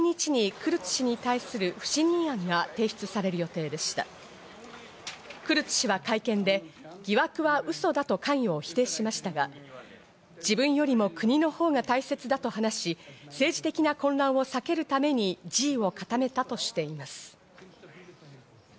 クルツ氏は会見で、疑惑は嘘だと関与を否定しましたが、自分よりも国のほうが大切だと話し、政治的な混乱を避けるために辞意を固めたとしています。